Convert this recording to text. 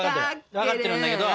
分かってるんだけど。